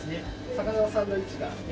魚のサンドイッチが。